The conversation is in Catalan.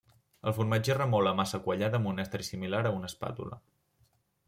El formatger remou la massa quallada amb un estri similar a una espàtula.